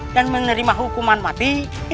dan menerima hukuman mati